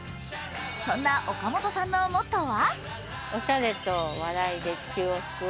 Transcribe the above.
そんな岡本さんのモットーは？